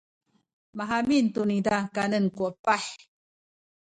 mahamin tu niza kanen ku epah.